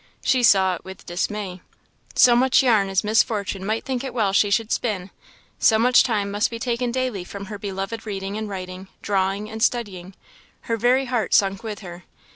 She saw it with dismay. So much yarn as Miss Fortune might think it well she should spin, so much time must be taken daily from her beloved reading and writing, drawing, and studying; her very heart sunk with her.